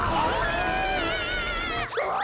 うわ！